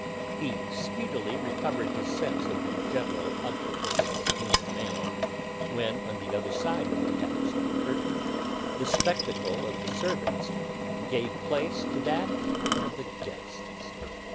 He speedily recovered his sense of the general ugliness of the human male when, on the other side of the tapestry curtain, the spectacle of the servants gave place to that of the guests.